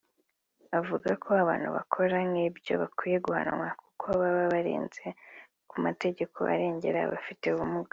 avuga ko abantu bakora nk’ibyo bakwiye guhanwa kuko baba barenze ku mategeko arengera abafite ubumuga